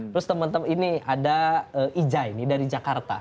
terus teman teman ini ada ija ini dari jakarta